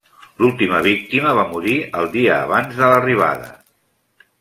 L'última víctima va morir el dia abans de l'arribada.